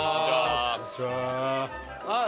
こんにちは。